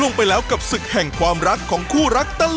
ลงไปแล้วกับศึกแห่งความรักของคู่รักตลอด